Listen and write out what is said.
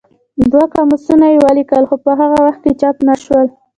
دوه قاموسونه یې ولیکل خو په هغه وخت کې چاپ نه شول.